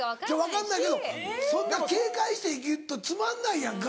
分かんないけどそんな警戒して生きるとつまんないやんか。